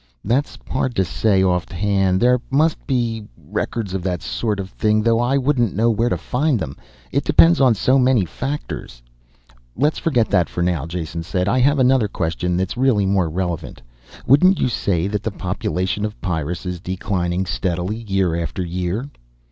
"That's hard to say offhand. There must be records of that sort of thing, though I wouldn't know where to find them. It depends on so many factors " "Let's forget that for now then," Jason said. "I have another question that's really more relevant. Wouldn't you say that the population of Pyrrus is declining steadily, year after year?"